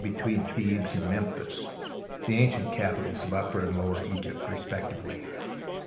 22) between Thebes and Memphis, the ancient capitals of Upper and Lower Egypt respectively.